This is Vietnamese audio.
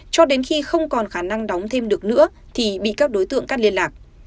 cho đến khi không còn khả năng đóng thêm được nữa thì bị các đối tượng cắt liên lạc